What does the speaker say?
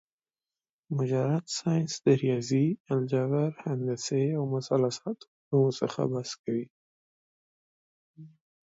مجرد ساينس د رياضي ، الجبر ، هندسې او مثلثاتو علومو څخه بحث کوي